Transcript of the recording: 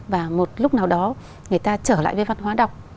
và một lúc nào đó người ta trở lại với văn hóa đọc